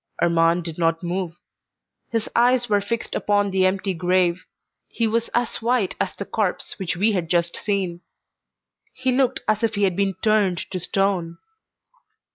Armand did not move. His eyes were fixed upon the empty grave; he was as white as the corpse which we had just seen. He looked as if he had been turned to stone.